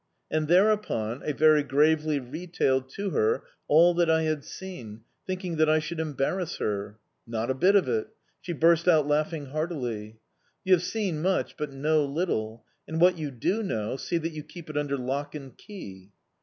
And, thereupon, I very gravely retailed to her all that I had seen, thinking that I should embarrass her. Not a bit of it! She burst out laughing heartily. "You have seen much, but know little; and what you do know, see that you keep it under lock and key."